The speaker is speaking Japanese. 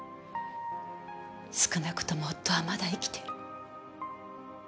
少なくとも夫はまだ生きている。